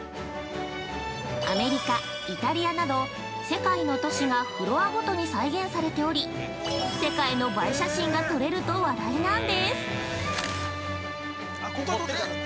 アメリカ、イタリアなど、世界の都市が、フロアごとに再現されており、世界の映え写真が撮れると話題なんです。